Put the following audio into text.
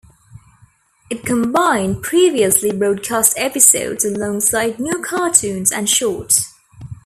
It combined previously broadcast episodes alongside new cartoons and shorts.